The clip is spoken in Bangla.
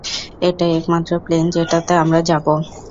এটাই একমাত্র প্লেন যেটাতে আমরা যাব!